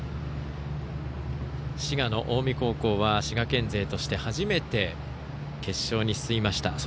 滋賀の近江高校は滋賀県勢として初めて決勝に進みました。